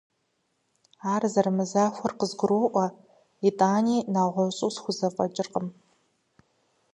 Ар зэрымызахуагъэр къызгуроӀуэ, итӀани, нэгъуэщӀу схузэфӀэкӀыркъым.